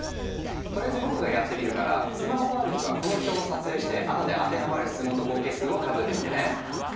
とりあえず僕がやってみるからスマホがある人はこの表を撮影してあとで当てはまる質問の合計数を数えてみてね。